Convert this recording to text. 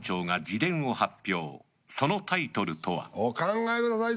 お考えください